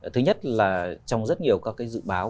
thứ nhất là trong rất nhiều các dự báo